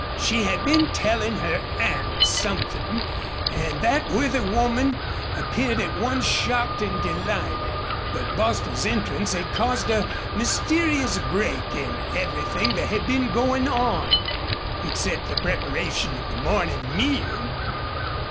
She had been telling her aunt something, and that worthy woman appeared at once shocked and delighted. But Bostil's entrance had caused a mysterious break in everything that had been going on, except the preparation of the morning meal.